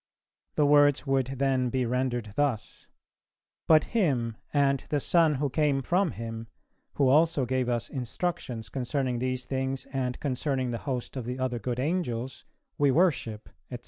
The words would then be rendered thus: 'But Him, and the Son who came from Him, who also gave us instructions concerning these things, and concerning the host of the other good angels we worship,' &c.